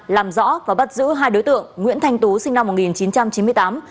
làm rõ và bắt giữ hai đối tượng nguyễn thanh tú sinh năm một nghìn chín trăm chín mươi tám